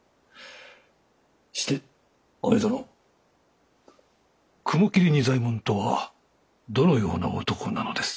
して安部殿雲霧仁左衛門とはどのような男なのです？